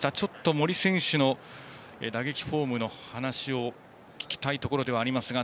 森選手の打撃フォームの話を聞きたいところですが。